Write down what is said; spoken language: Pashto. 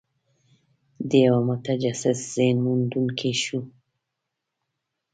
د یوه متجسس ذهن موندونکي شو.